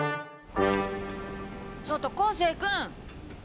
ちょっと昴生君！